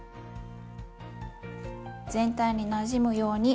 全体になじむように混ぜます。